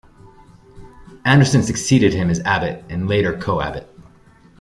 Anderson succeeded him as abbot, and later co-abbot.